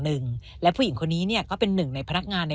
หนึ่งและผู้หญิงคนนี้เนี่ยก็เป็นหนึ่งในพนักงานใน